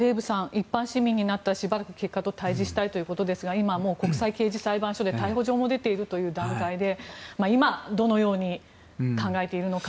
一般市民になってしばらく結果と対峙したいということですが今はもう国際刑事裁判所で逮捕状も出ている段階ということで今、どのように考えているのか。